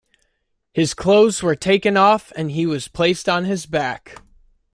His clothes were taken off, and he was placed on his back.